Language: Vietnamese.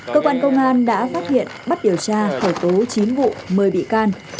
cơ quan công an đã phát hiện bắt điều tra khởi tố chín vụ một mươi bị can